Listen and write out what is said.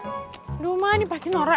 aduh ma ini pasti noro ya